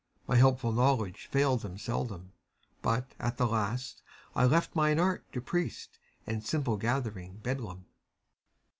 My helpful knowledge failed them seldom; But, at the last, I left mine art To priest and simple gathering beldam.